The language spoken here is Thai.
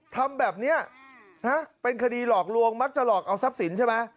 ทำแบบนี้นะเป็นคดีหลอกลวงมักจะหลอกเอาทรัพย์สินใช่ไหม